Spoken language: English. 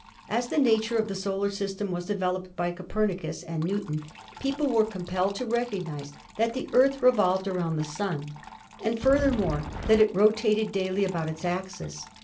As the nature of the solar system was developed by Copernicus and Newton, people were compelled to recognise that the Earth revolved around the Sun, and, furthermore, that it ro tated daily about its axis.